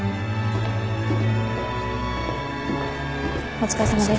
お疲れさまです。